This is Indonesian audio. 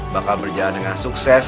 bakal berjalan dengan sukses